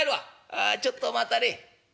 「ああちょっと待たれい。